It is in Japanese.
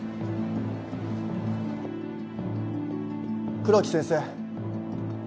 黒木先生。